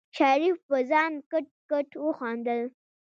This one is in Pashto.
شريف په ځان کټ کټ وخندل.